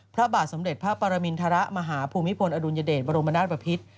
พระบาทสมเด็จพระปรมินทรมาหาภูมิพลอดุลยเดชบรมนาศบพิษ